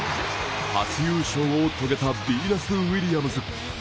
初優勝を遂げたビーナス・ウィリアムズ。